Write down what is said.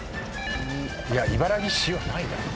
いや茨城市はないだろ。